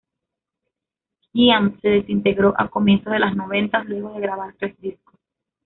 Giant se desintegró a comienzos de los noventas luego de grabar tres discos.